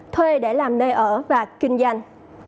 thuê để làm nơi ở và kinh doanh